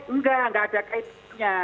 enggak enggak ada kaitannya